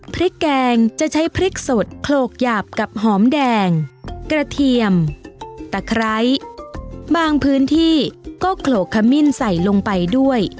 พริกแกงจะใช้พริกสดโขลกหยาบกับหอมแดงกระเทียมตะไคร้บางพื้นที่ก็โขลกขมิ้นใส่ลงไปด้วย